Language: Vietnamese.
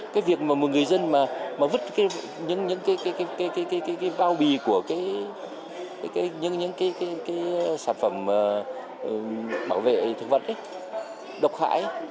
cái việc mà một người dân mà vứt những cái bao bì của những cái sản phẩm bảo vệ thực vật độc hại